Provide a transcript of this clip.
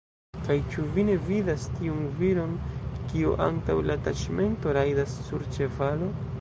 Kaj ĉu vi ne vidas tiun viron, kiu antaŭ la taĉmento rajdas sur ĉevalo?